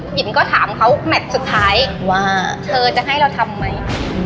หินก็ถามเขาแมทสุดท้ายว่าเธอจะให้เราทำไหม